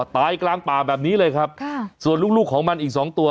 ตายกลางป่าแบบนี้เลยครับค่ะส่วนลูกลูกของมันอีกสองตัว